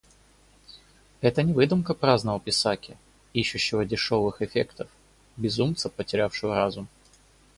Это не выдумка праздного писаки, ищущего дешевых эффектов, безумца, потерявшего разум.